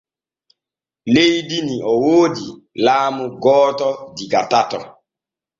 Leydi ni o woodi laamu gooto diga totaa.